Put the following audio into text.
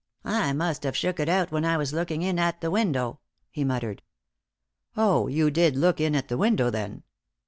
"I must have shook it out when I was looking in at the window," he muttered. "Oh, you did look in at the window, then?"